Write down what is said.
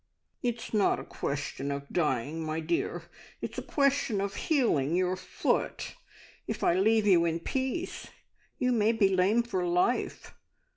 "It's not a question of dying, my dear. It's a question of healing your foot. If I leave you in peace, you may be lame for life.